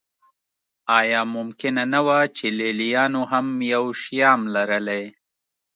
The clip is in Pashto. آیا ممکنه نه وه چې لېلیانو هم یو شیام لرلی